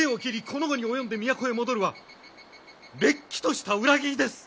この期に及んで都へ戻るはれっきとした裏切りです！